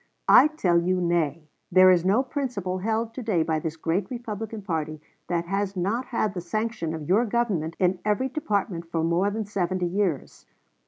I tell you nay. There is no principle held to day by this great Republican party that has not had the sanction of your Government in every department for more than seventy years.